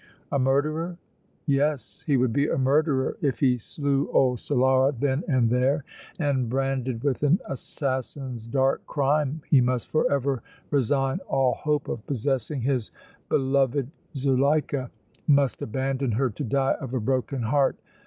A murderer? Yes, he would be a murderer, if he slew old Solara then and there, and branded with an assassin's dark crime he must forever resign all hope of possessing his beloved Zuleika, must abandon her to die of a broken heart!